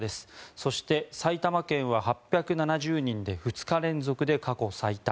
そして、埼玉県は８７０人で２日連続で過去最多。